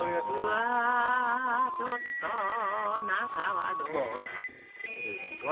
うわちょっと中はどうなってるのかしら？